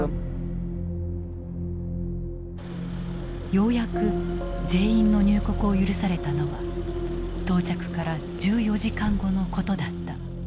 ようやく全員の入国を許されたのは到着から１４時間後のことだった。